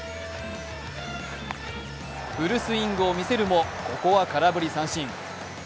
フルスイングを見せるも、ここは空振り三振。